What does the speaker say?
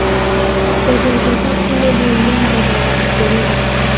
পেটের কথা খুলে বললুম দাদা, রাগ করো না।